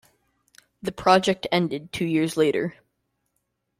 The project ended two years later.